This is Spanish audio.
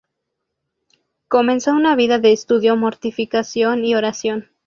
Comenzó una vida de estudio, mortificación y oración.